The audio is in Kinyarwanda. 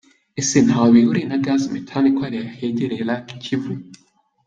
Ese ntaho bihuriye na gaz méthane ko hariya hegereye lac Kivu?.